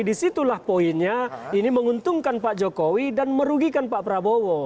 disitulah poinnya ini menguntungkan pak jokowi dan merugikan pak prabowo